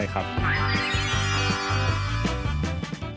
ซิโคงหมูสับ๑